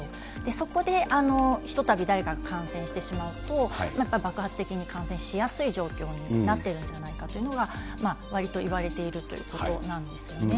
そこでひとたび誰かが感染してしまうと、やっぱり爆発的に感染しやすい状況になっているんじゃないかというのが、割と言われているということなんですよね。